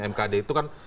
mkd itu kan